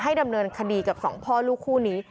ดำเนินคดีกับสองพ่อลูกคู่นี้